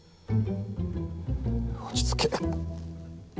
落ち着けっ！